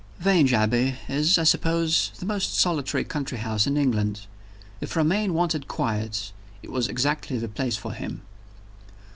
VII. VANGE ABBEY is, I suppose, the most solitary country house in England. If Romayne wanted quiet, it was exactly the place for him.